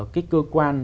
cái cơ quan